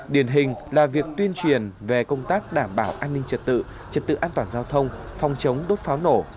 điển hình là việc tuyên truyền về công tác đảm bảo an ninh trật tự trật tự an toàn giao thông phòng chống đốt pháo nổ